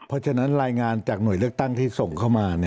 เพราะฉะนั้นรายงานจากหน่วยเลือกตั้งที่ส่งเข้ามา